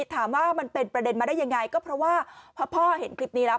ถามว่ามันเป็นประเด็นมาได้ยังไงก็เพราะว่าพอพ่อเห็นคลิปนี้แล้ว